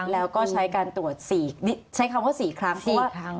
แล้วก็ใช้การตรวจสี่ใช้คำว่าสี่ครั้ง